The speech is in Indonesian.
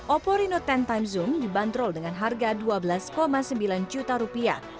oppo reno sepuluh time zoom dibanderol dengan harga dua belas sembilan juta rupiah